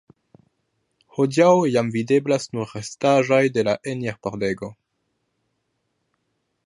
Hodiaŭ jam videblas nur restaĵoj de la enir-pordego.